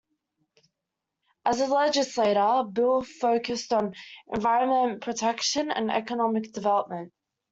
As a legislator, Bill focused on environmental protection and economic development.